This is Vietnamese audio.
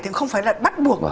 thì không phải là bắt buộc